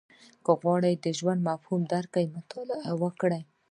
• که غواړې د ژوند مفهوم درک کړې، مطالعه وکړه.